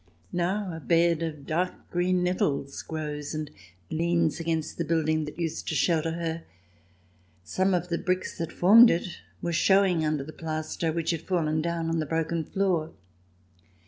Now a bed of dark green nettles grows and leans against the building that used to shelter her, some of the bricks that formed it were showing under the plaster, which had fallen down on the broken floor.